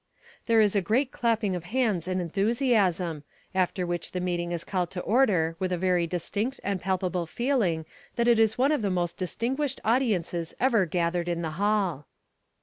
There is a great clapping of hands and enthusiasm, after which the meeting is called to order with a very distinct and palpable feeling that it is one of the most distinguished audiences ever gathered in the hall.